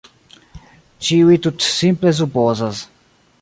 Ĉiuj tutsimple supozas.